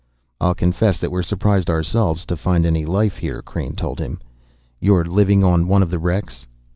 "I'll confess that we're surprised ourselves to find any life here," Crain told him. "You're living on one of the wrecks?"